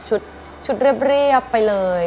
ชุดเรียบไปเลย